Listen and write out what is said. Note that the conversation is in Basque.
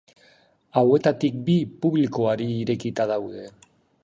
Hauetatik bi publikoari irekita daude.